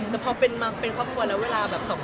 เลยอะค่ะแต่พอพะของคนแล้วเวลาแบบสอง